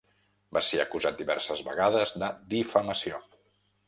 Va ser acusat diverses vegades de difamació.